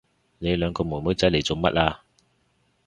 你兩個妹妹仔嚟做乜啊？